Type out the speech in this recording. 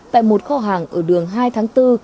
tại một kho hàng ở đường hai tháng tư